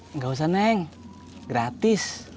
enggak usah neng gratis